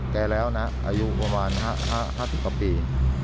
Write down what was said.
แกแล้วนะอายุประมาณ๕๐กว่าปี